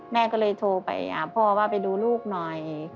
แม่ก็เลยโทรไปหาพ่อว่าไปดูลูกหน่อย